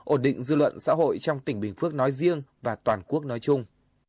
ổn định dư luận xã hội trong tỉnh bình phước nói riêng và toàn quốc nói chung